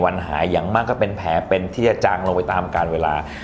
หายอย่างมากก็เป็นแผลเป็นที่จะจางลงไปตามการเวลา